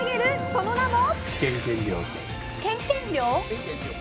その名も。